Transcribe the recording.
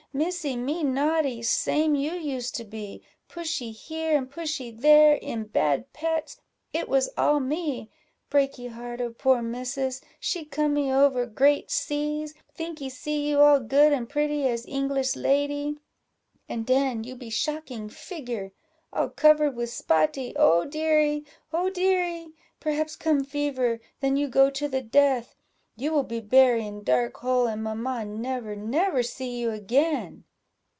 Missy, me naughty, same you used to be pushee here and pushee there, in bad pets it was all me breaky heart of poor Missis she comee over great seas; thinkee see you all good and pretty as Englis lady; and den you be shocking figure, all cover with spotee oh deary! oh deary! perhaps come fever, then you go to the death, you will be bury in dark hole, and mamma never, never see you again."